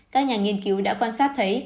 các nhà nghiên cứu đã quan sát thấy